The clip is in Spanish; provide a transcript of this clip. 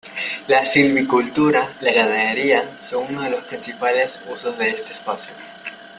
La silvicultura y la ganadería son unos de los principales usos de este Espacio.